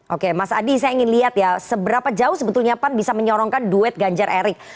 oke mas adi saya ingin lihat ya seberapa jauh sebetulnya pan bisa menyorongkan duet ganjar erik